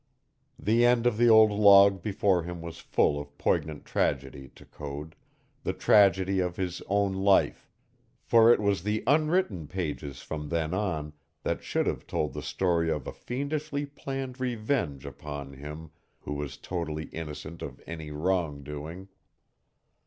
The end of the old log before him was full of poignant tragedy to Code, the tragedy of his own life, for it was the unwritten pages from then on that should have told the story of a fiendishly planned revenge upon him who was totally innocent of any wrong doing.